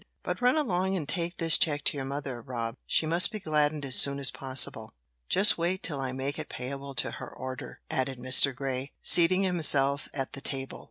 But run along and take this check to your mother, Rob; she must be gladdened as soon as possible. Just wait till I make it payable to her order," added Mr. Grey, seating himself at the table.